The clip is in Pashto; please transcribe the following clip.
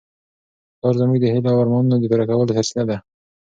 پلار زموږ د هیلو او ارمانونو د پوره کولو سرچینه ده.